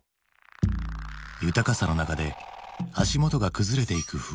豊かさの中で足元が崩れていく不安。